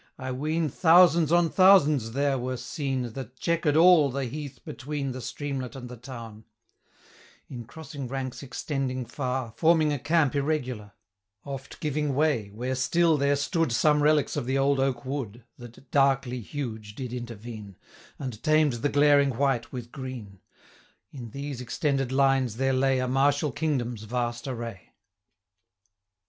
I ween, Thousands on thousands there were seen That chequer'd all the heath between 525 The streamlet and the town; In crossing ranks extending far, Forming a camp irregular; Oft giving way, where still there stood Some relics of the old oak wood, 530 That darkly huge did intervene, And tamed the glaring white with green: In these extended lines there lay A martial kingdom's vast array.